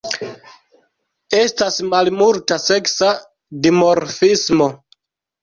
Estas malmulta seksa dimorfismo.